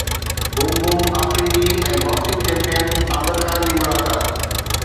boom boom Afridi ۽ boxing champion Aamir Khan جي ملاقات